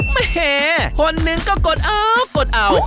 แหมคนหนึ่งก็กดเอากดเอา